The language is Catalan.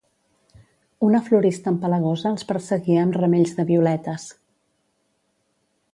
Una florista empalagosa els perseguia amb ramells de violetes.